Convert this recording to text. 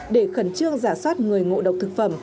để khẩn trương giả soát người ngộ độc thực phẩm